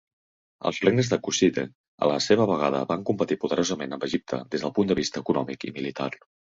Els regnes de Kushite a la seva vegada van competir poderosament amb Egipte des del punt de vista econòmic i militar.